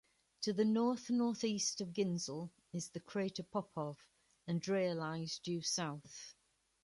To the north-northeast of Ginzel is the crater Popov, and Dreyer lies due south.